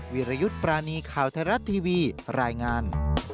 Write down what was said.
วิรยุทธ์ปรานีข่าวไทยรัฐทีวีรายงาน